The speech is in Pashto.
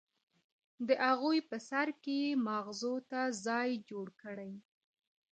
د اغوئ په سر کې يې ماغزو ته ځای جوړ کړی.